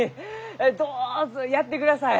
どうぞやってください。